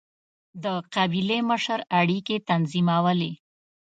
د قبیلې مشر اړیکې تنظیمولې.